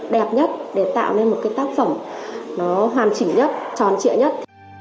đẹp nhất để tạo nên tác phẩm hoàn chỉnh nhất tròn trịa nhất